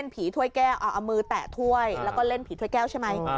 ถ้วยแก้วเอามือแตะถ้วยแล้วก็เล่นผีถ้วยแก้วใช่ไหม